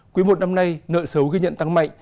quý một năm nay nợ xấu ghi nhận tăng mạnh